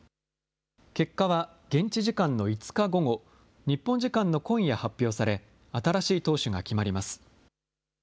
結果は現地時間の５日午後、日本時間の今夜発表され、新しい党首が決まります。